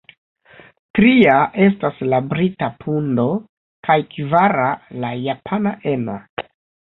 Tria estas la brita pundo kaj kvara la japana eno.